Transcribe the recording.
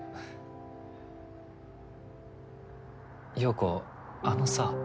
洋子あのさ。